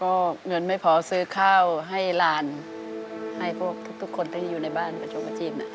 ก็เงินไม่พอซื้อข้าวให้ลาลให้ทุกคนที่อยู่ในบ้านมางาน